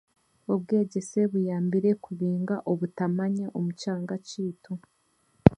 Obwegyese buyambire kubinga obutamanya omu kyanga kyaitu.